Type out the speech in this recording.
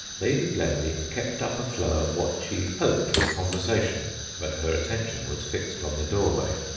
Lady Blemley kept up a flow of what she hoped was conversation, but her attention was fixed on the doorway.